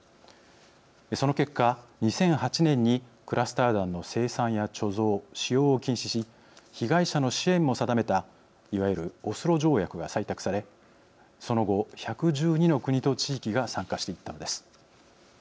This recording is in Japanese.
その結果、２００８年にクラスター弾の生産や貯蔵使用を禁止し被害者の支援も定めたいわゆるオスロ条約が採択されその後、１１２の国と地域が参加していったのです。